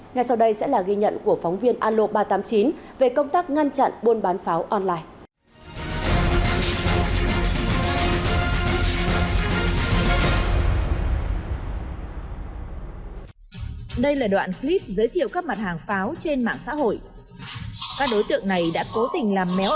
ngay sau đây sẽ là ghi nhận của phóng viên alo ba trăm tám mươi chín về công tác ngăn chặn buôn bán pháo online